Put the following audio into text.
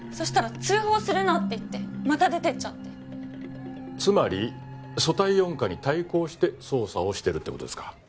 したら通報するなって言ってまた出ていっちゃってつまり組対四課に対抗して捜査をしてるってことですか